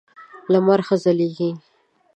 لمر ښه ځلېږي .